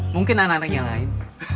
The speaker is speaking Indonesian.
mungkin anak anaknya lain